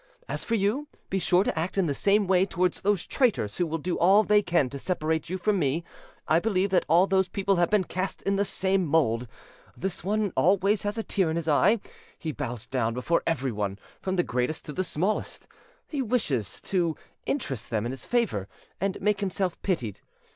As for you, be sure to act in the same way towards those traitors who will do all they can to separate you from me. I believe that all those people have been cast in the same mould: this one always has a tear in his eye; he bows down before everyone, from the greatest to the smallest; he wishes to interest them in his favour, and make himself pitied.